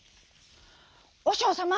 「おしょうさま。